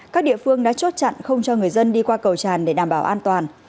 các địa phương đã chốt chặn không cho người dân đi qua cầu tràn để đảm bảo an toàn